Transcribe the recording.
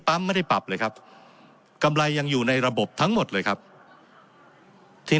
ไม่ได้ปรับเลยครับกำไรยังอยู่ในระบบทั้งหมดเลยครับที่